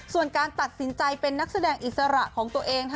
ส่วนการตัดสินใจเป็นนักแสดงอิสระของตัวเอง